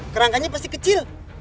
kerangkanya pasti kecil